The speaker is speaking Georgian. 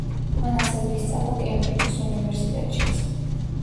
მან ასევე ისწავლა კემბრიჯის უნივერსიტეტშიც.